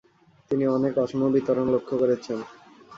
তিনি অনেক অসম বিতরণ লক্ষ্য করেছেন।